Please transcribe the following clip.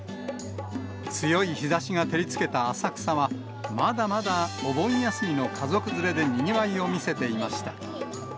強い日ざしが照りつけた浅草は、まだまだお盆休みの家族連れでにぎわいを見せていました。